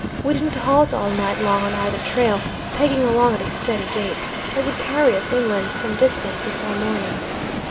We didn't halt all night long on either trail, pegging along at a steady gait, that would carry us inland some distance before morning.